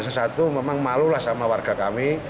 sesuatu memang malu lah sama warga kami